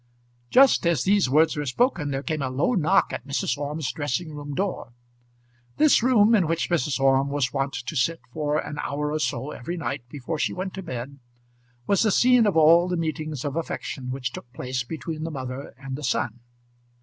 Just as these words were spoken, there came a low knock at Mrs. Orme's dressing room door. This room, in which Mrs. Orme was wont to sit for an hour or so every night before she went to bed, was the scene of all the meetings of affection which took place between the mother and the son.